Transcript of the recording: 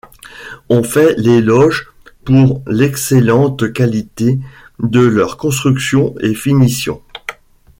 On fait l'éloge pour l'excellente qualité de leur construction et finition.